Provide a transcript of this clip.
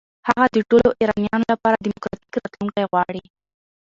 هغه د ټولو ایرانیانو لپاره دموکراتیک راتلونکی غواړي.